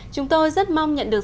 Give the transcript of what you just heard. chúng tôi rất mong nhận được